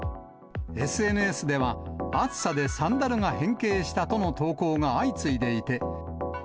ＳＮＳでは、暑さでサンダルが変形したとの投稿が相次いでいて。